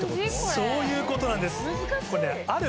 そういうことなんですある